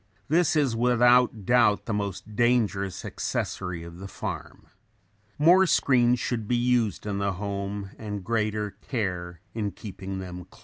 This is without doubt the most dangerous accessory of the farm. More screens should be used in the home and greater care in keeping them closed.